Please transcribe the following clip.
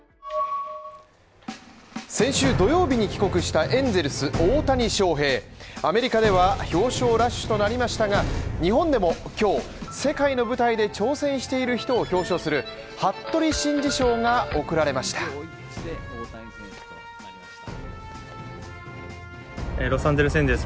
先週土曜日に帰国したエンゼルス大谷翔平、アメリカでは表彰ラッシュとなりましたが、日本でも今日、世界の舞台で挑戦している人を表彰する服部真二賞が贈られました。